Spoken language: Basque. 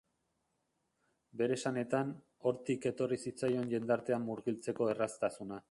Bere esanetan, hortik etorri zitzaion jendartean murgiltzeko erraztasuna.